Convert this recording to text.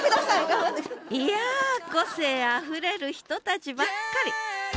いや個性あふれる人たちばっかり。